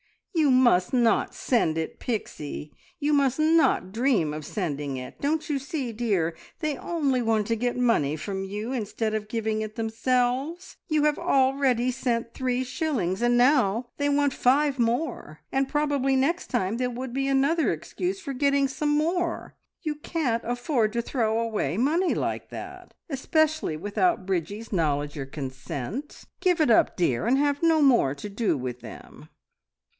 "You must not send it, Pixie! You must not dream of sending it. Don't you see, dear, they only want to get money from you instead of giving it themselves? You have already sent three shillings, and now they want five more, and probably next time there would be another excuse for getting some more. You can't afford to throw away money like that, especially without Bridgie's knowledge or consent. Give it up, dear, and have no more to do with them."